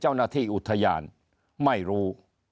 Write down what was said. เจ้าหน้าที่อุทยานไม่รู้